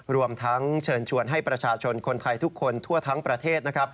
รวมทั้งเชิญชวนให้ประชาชนคนไทยทุกคนทั่วทั้งประเทศนะครับ